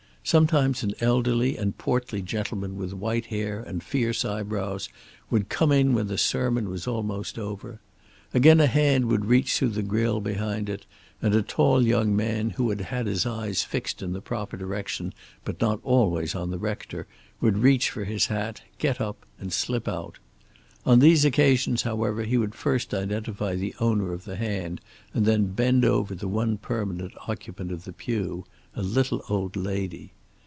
Sometimes an elderly and portly gentleman with white hair and fierce eyebrows would come in when the sermon was almost over. Again, a hand would reach through the grill behind it, and a tall young man who had had his eyes fixed in the proper direction, but not always on the rector, would reach for his hat, get up and slip out. On these occasions, however, he would first identify the owner of the hand and then bend over the one permanent occupant of the pew, a little old lady.